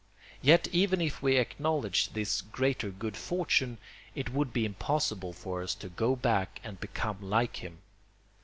Yet even if we acknowledged his greater good fortune, it would be impossible for us to go back and become like him.